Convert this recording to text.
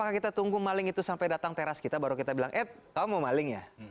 maka kita tunggu maling itu sampai datang teras kita baru kita bilang eh kamu mau maling ya